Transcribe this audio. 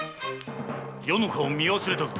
余の顔を見忘れたか？